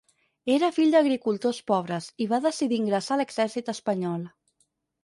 Era fill d'agricultors pobres i va decidir ingressar a l'exèrcit espanyol.